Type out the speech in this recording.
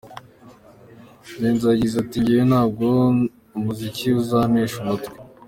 Benzo yagize ati: “Njyewe ntabwo umuziki uzantesha umutwe.